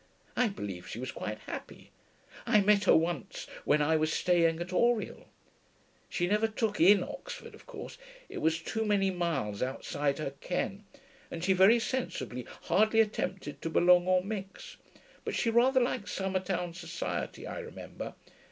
I believe she was quite happy. I met her once when I was staying at Oriel.... She never took in Oxford, of course; it was too many miles outside her ken, and she very sensibly hardly attempted to belong or mix. But she rather liked Summertown society, I remember.